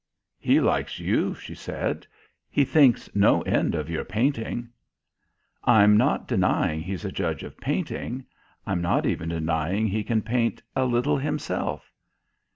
"He likes you," she said. "He thinks no end of your painting." "I'm not denying he's a judge of painting. I'm not even denying he can paint a little himself."